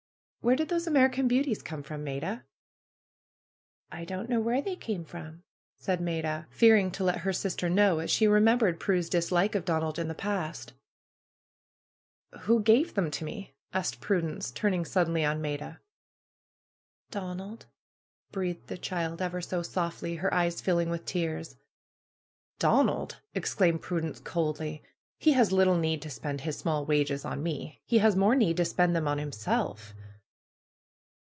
'^Where did those American Beauties come from, Maida?" /'I don't know where they came from," said Maida, 106 PRUE*S GARDENER fearing to let her sister know, as she remembered Pnie's dislike of Donald in the past. gave them to me?" asked Prudence, turning suddenly on Maida. '^Donald!" breathed the child, ever so softly, her eyes filling with tears. Donald !" exclaimed Prudence, coldly. ^^He has lit tle need to spend his small wages on me. He has more need to spend them on himself.'